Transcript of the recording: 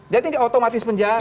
jadi otomatis penjara